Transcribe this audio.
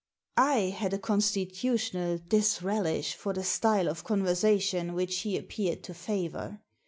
I had a constitutional disrelish for the style of conversation which he appeared to favour.